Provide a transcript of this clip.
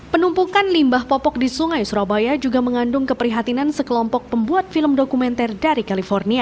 penumpukan limbah popok di sungai surabaya juga mengandung keprihatinan sekelompok pembuat film dokumenter dari california